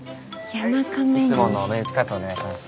いつものメンチカツお願いします。